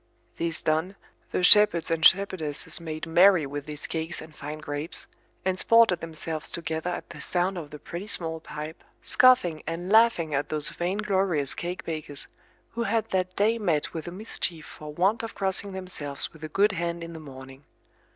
This done, the shepherds and shepherdesses made merry with these cakes and fine grapes, and sported themselves together at the sound of the pretty small pipe, scoffing and laughing at those vainglorious cake bakers, who had that day met with a mischief for want of crossing themselves with a good hand in the morning.